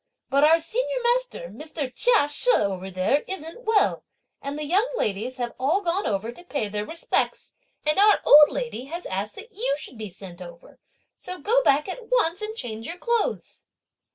But our senior master, Mr. Chia She, over there isn't well; and the young ladies have all gone over to pay their respects, and our old lady has asked that you should be sent over; so go back at once and change your clothes!"